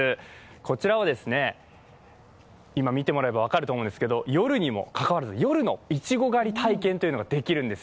こちらは、今、見てもらえれば分かると思うんですけども夜にもかかわらず、夜のいちご狩り体験ができるんです。